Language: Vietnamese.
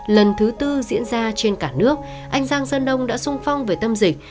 lần thứ tư diễn ra trên cả nước anh giang sơn ông đã sung phong về tâm dịch